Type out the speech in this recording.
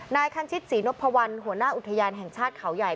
นายคันชิตศรีนพวัลหัวหน้าอุทยานแห่งชาติเขาใหญ่